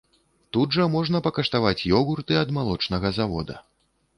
Тут жа можна пакаштаваць ёгурты ад малочнага завода.